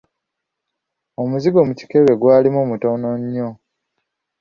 Omuzigo mu kikebe gwalimu mutono nnyo.